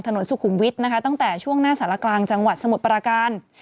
ถนนสุขุมวิทย์ตั้งแต่ช่วงหน้าสระกลางจังหวัดสมุดปราการ